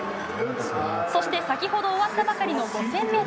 そして先ほど終わったばかりの５０００ｍ。